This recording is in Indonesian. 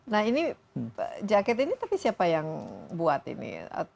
nah ini jaket ini tapi siapa yang buat ini